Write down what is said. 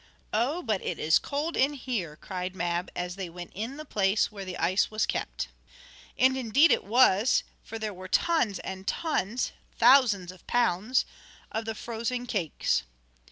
"Oh, but it is cold in here!" cried Mab as they went in the place where the ice was kept. And indeed it was, for there were tons and tons thousands of pounds of the frozen cakes.